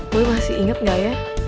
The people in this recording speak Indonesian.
boy masih inget gak ya